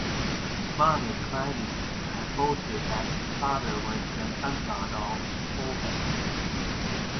His mother Clymene had boasted that his father was the Sun-God or Phoebus.